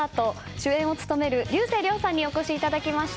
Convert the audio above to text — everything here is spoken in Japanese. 主演を務める竜星涼さんにお越しいただきました。